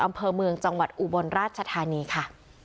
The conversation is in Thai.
อำเภอเมืองจังหวัดอุบลราชธานีค่ะ